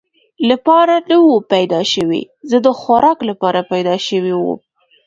لپاره نه ووم پیدا شوی، زه د خوراک لپاره پیدا شوی ووم.